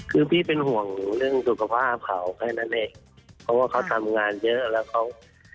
คือพี่เป็นห่วงเรื่องสุขภาพเขาแค่นั้นเองเพราะว่าเขาทำงานเยอะแล้วเขา